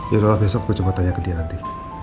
yaudah lah besok gue coba tanya ke dia nanti